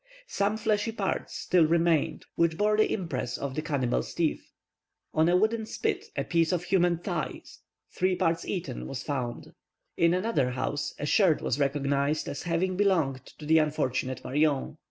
Some fleshy parts still remained which bore the impress of the cannibal's teeth. On a wooden spit, a piece of a human thigh, three parts eaten, was found. In another house, a shirt was recognized as having belonged to the unfortunate Marion.